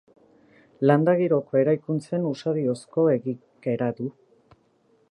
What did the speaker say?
Landa giroko eraikuntzen usadiozko egikera du.